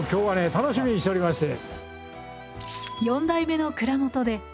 楽しみにしておりまして。